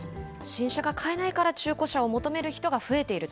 新車が買えないから中古車を求めている人が増えている。